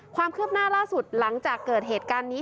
ความคืบหน้าล่าสุดหลังจากเกิดเหตุการณ์นี้